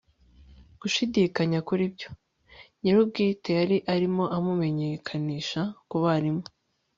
gushidikanya kuri ibyo. nyirubwite yari arimo amumenyekanisha kubarimu